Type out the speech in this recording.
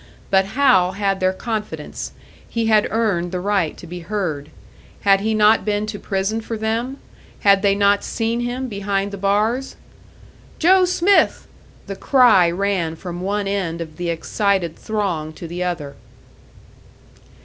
But Hal had their confidence, he had earned the right to be heard. Had he not been to prison for them, had they not seen him behind the bars? "Joe Smith!" The cry ran from one end of the excited throng to the other.